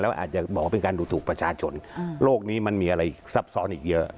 อาจจะบอกว่าเป็นการดูถูกประชาชนโลกนี้มันมีอะไรซับซ้อนอีกเยอะ